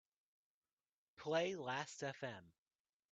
Play Lastfm.